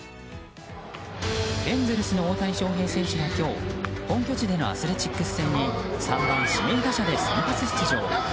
エンゼルスの大谷翔平選手が今日、本拠地のアスレチックス戦に３番指名打者で先発出場。